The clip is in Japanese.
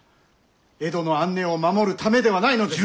江戸の安寧を守るためではないのですか！？